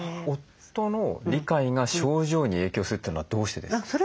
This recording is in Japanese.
夫の理解が症状に影響するというのはどうしてですか？